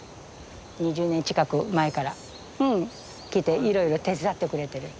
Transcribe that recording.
２０年近く前から来ていろいろ手伝ってくれてる。